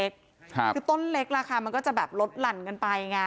คือต้นเล็กราคามันก็จะแบบลดหลั่นกันไปไง